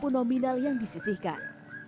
dan menjaga kemampuan